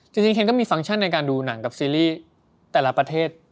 เคนก็มีฟังก์ชั่นในการดูหนังกับซีรีส์แต่ละประเทศ